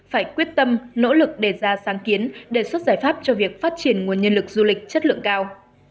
phải quyết tâm nỗ lực đề ra sáng kiến đề xuất giải pháp cho việc phát triển nguồn nhân lực du lịch chất lượng cao